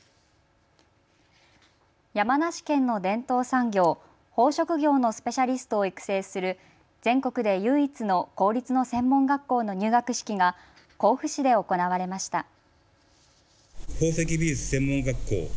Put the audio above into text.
山梨県の伝統産業、宝飾業のスペシャリストを育成する全国で唯一の公立の専門学校の入学式が甲府市で行われました。